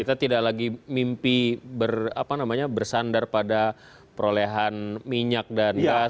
jadi ini sudah ada lagi mimpi bersandar pada perolehan minyak dan gas